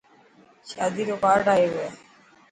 شادي رو ڪارڊآيو هي.